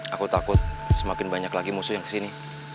aku takut semakin banyak lagi musuh yang kesini